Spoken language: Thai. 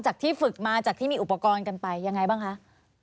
ที่ฝึกมาจากที่มีอุปกรณ์กันไปยังไงบ้างคะ